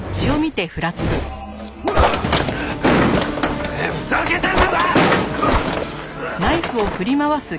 てめえふざけてんのか！